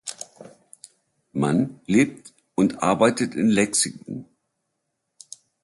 Mann lebt und arbeitet in Lexington.